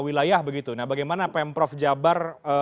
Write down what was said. wilayah begitu nah bagaimana pemprov jabar